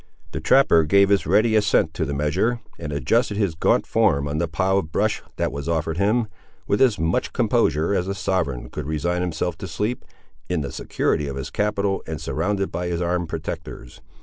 The trapper gave his ready assent to the measure, and adjusted his gaunt form on the pile of brush that was offered him, with as much composure as a sovereign could resign himself to sleep, in the security of his capital and surrounded by his armed protectors.